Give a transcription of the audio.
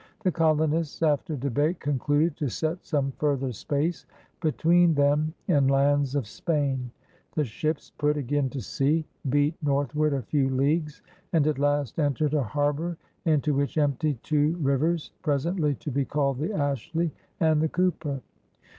The colonists after debate concluded to set some further space be tween them and lands of Spain. The ships put again to sea, beat northward a few leagues, and at last entered a harbor into which emptied two rivers, presently to be called the Ashley and the Cooper.